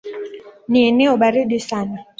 Ni eneo baridi sana.